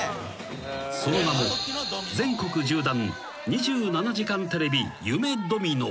［その名も「全国縦断２７時間テレビ夢ドミノ」］